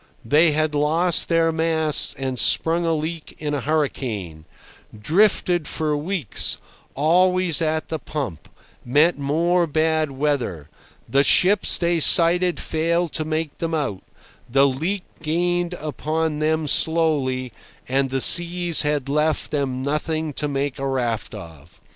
They had lost their masts and sprung a leak in a hurricane; drifted for weeks, always at the pumps, met more bad weather; the ships they sighted failed to make them out, the leak gained upon them slowly, and the seas had left them nothing to make a raft of.